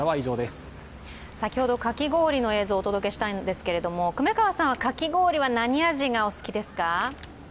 先ほどかき氷の映像をお届けしたんですが、粂川さんはかき氷は何味がお好きですか？